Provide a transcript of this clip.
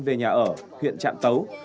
về nhà ở huyện trạm tấu